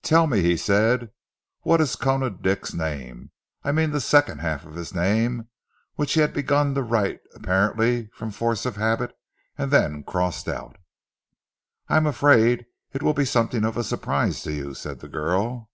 "Tell me," he said, "what is Koona Dick's name? I mean the second half of his name which he had begun to write apparently from force of habit, and then crossed out?" "I am afraid it will be something of a surprise to you," said the girl.